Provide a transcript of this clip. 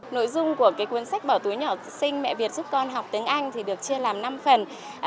nội dung của cuốn sách bảo túi nhỏ sinh mẹ việt giúp con học tiếng anh được chia làm năm phần